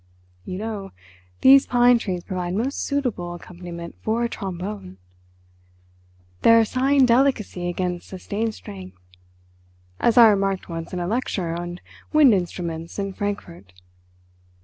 You know, these pine trees provide most suitable accompaniment for a trombone! They are sighing delicacy against sustained strength, as I remarked once in a lecture on wind instruments in Frankfort.